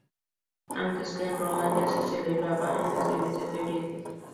Antes que en Roma ya se celebraba en las iglesias de Oriente.